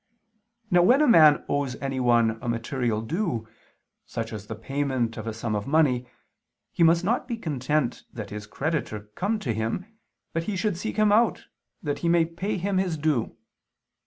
Now when a man owes anyone a material due, such as the payment of a sum of money, he must not be content that his creditor come to him, but he should seek him out, that he may pay him his due.